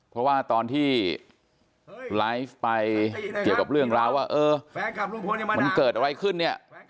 เพราะว่าตอนที่ไลฟ์ไปเกี่ยวกับเรื่องราวว่าเออมันเกิดอะไรขึ้นเนี่ย